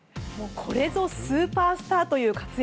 これぞスーパースターという活躍